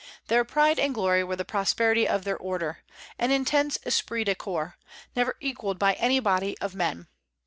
Their pride and glory were the prosperity of their Order, an intense esprit de corps, never equalled by any body of men.